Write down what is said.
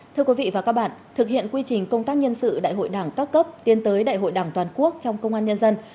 thưa quý vị và các bạn thực hiện quy trình công tác nhân sự đại hội đảng các cấp tiến tới đại hội đảng toàn quốc trong công an nhân dân